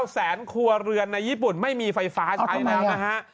แสนครัวเรือนในญี่ปุ่นไม่มีไฟฟ้าใช้แล้วนะฮะ